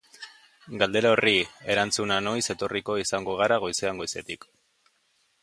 Galdera horri erantzuna noiz etorriko izango gara goizean goizetik.